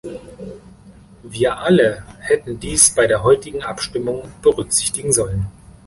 Wir alle hätten dies bei der heutigen Abstimmung berücksichtigen sollen.